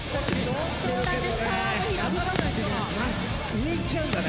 上行っちゃうんだね